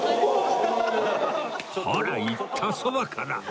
ほら言ったそばから！